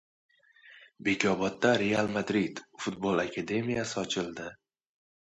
Bekobodda “Real Madrid” futbol akademiyasi ochildi